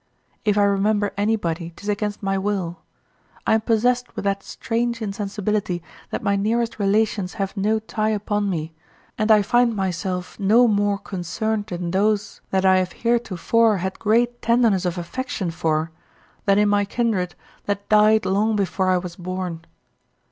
If I remember anybody, 'tis against my will. I am possessed with that strange insensibility that my nearest relations have no tie upon me, and I find myself no more concerned in those that I have heretofore had great tenderness of affection for, than in my kindred that died long before I was born.